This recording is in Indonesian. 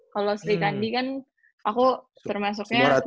kalau sri kandi kan aku termasuknya